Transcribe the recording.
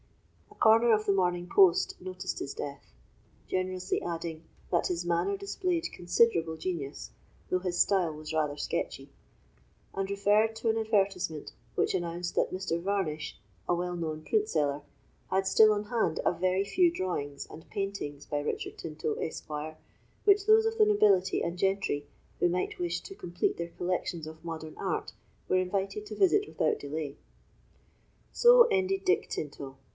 A corner of the Morning Post noticed his death, generously adding, that his manner displayed considerable genius, though his style was rather sketchy; and referred to an advertisement, which announced that Mr. Varnish, a well known printseller, had still on hand a very few drawings and paintings by Richard Tinto, Esquire, which those of the nobility and gentry who might wish to complete their collections of modern art were invited to visit without delay. So ended Dick Tinto!